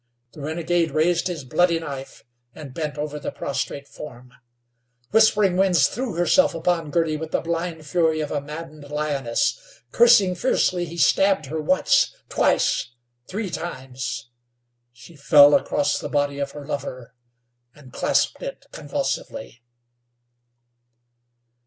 The renegade raised his bloody knife, and bent over the prostrate form. Whispering Winds threw herself upon Girty with the blind fury of a maddened lioness. Cursing fiercely, he stabbed her once, twice, three times. She fell across the body of her lover, and clasped it convulsively.